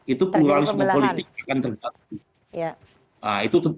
itu pluralisme politik akan terjadi